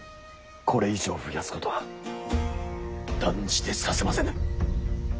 これ以上増やすことは断じてさせませぬ。